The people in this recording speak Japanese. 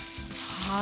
はい。